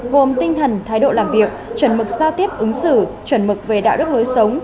gồm tinh thần thái độ làm việc chuẩn mực giao tiếp ứng xử chuẩn mực về đạo đức lối sống